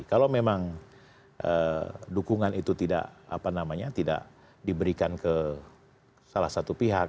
kalau memang dukungan itu tidak apa namanya tidak diberikan ke salah satu pihak